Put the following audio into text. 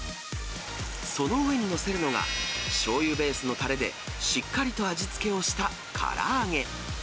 その上に載せるのが、しょうゆベースのたれで、しっかりと味付けをしたから揚げ。